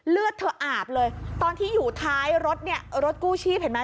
เลือดเธออาบเลยตอนที่อยู่ท้ายรถเนี่ยรถกู้ชีพเห็นไหม